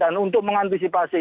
dan untuk mengantisipasi